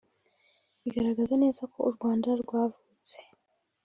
Bigaragaza neza ko u Rwanda rwavutse